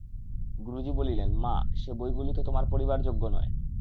গুরুজি বলিলেন, মা, সে বইগুলি তো তোমার পড়িবার যোগ্য নয়।